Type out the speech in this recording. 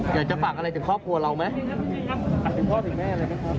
อยากจะฝากอะไรจากครอบครัวเราไหม